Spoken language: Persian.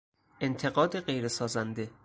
انتقاد غیرسازنده